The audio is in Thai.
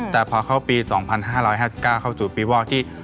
แต่พอเข้าปี๒๕๕๙เข้าสู่ปีวอลที่